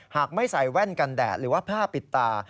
ไม่ใส่แว่นกันแดดหรือว่าผ้าปิดตา